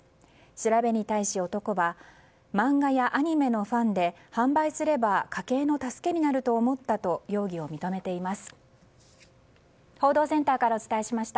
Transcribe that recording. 調べに対し、男は漫画やアニメのファンで販売すれば家計の助けになると思ったと容疑を認めています。